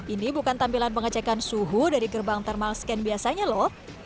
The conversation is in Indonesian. ini bukan tampilan pengecekan suhu dari gerbang thermal scan biasanya loh